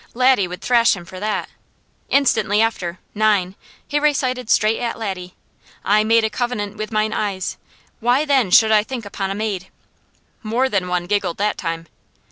Laddie would thrash him for that. Instantly after, "Nine," he recited straight at Laddie: "I made a covenant with mine eyes; why then should I think upon a maid?" More than one giggled that time.